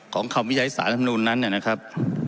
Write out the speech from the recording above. ของคำวิจัยสารรัฐมนูลนั้นน่ะนะครับ